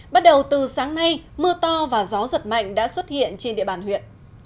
bắt đầu từ sáng nay mưa to và gió giật mạnh đã xuất hiện trên địa bàn huyện